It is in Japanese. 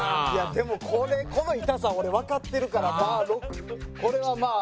でもこれこの痛さ俺わかってるからまあ６。